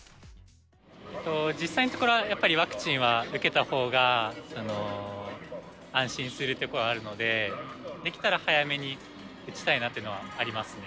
実際のところ、やっぱり、ワクチンは受けたほうが安心するところはあるので、できたら早めに打ちたいなっていうのはありますね。